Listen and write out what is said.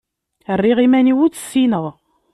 Rriɣ iman-iw ur tt-ssineɣ.